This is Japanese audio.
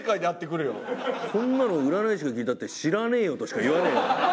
こんなの占い師が聞いたって知らねーよとしか言わねえよ。